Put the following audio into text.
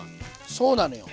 そうなのよ。